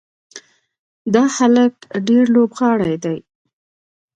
دا هلک ډېر لوبغاړی دی.